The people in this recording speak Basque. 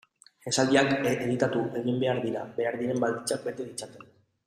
Esaldiak editatu egin behar dira behar diren baldintzak bete ditzaten.